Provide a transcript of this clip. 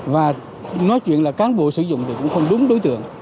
và nói chuyện là cán bộ sử dụng thì cũng không đúng đối tượng